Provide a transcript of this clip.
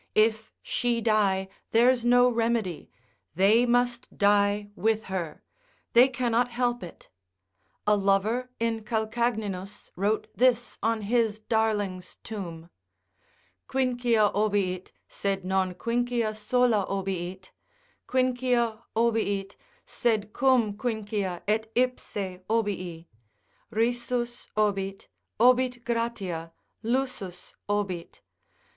If she die, there's no remedy, they must die with her, they cannot help it. A lover in Calcagninus, wrote this on his darling's tomb, Quincia obiit, sed non Quincia sola obiit, Quincia obiit, sed cum Quincia et ipse obii; Risus obit, obit gratia, lusus obit.